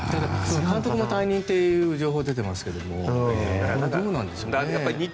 監督も解任という情報が出ていますがどうなんでしょうね。